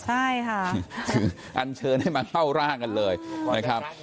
ใช่ค่ะคืออันเชิญให้มาเข้าร่างกันเลยนะครับ